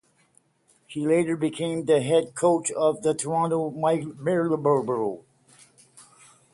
He later became the head coach of the Toronto Marlboros.